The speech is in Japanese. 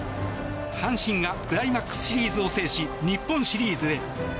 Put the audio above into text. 阪神がクライマックスシリーズを制し日本シリーズへ。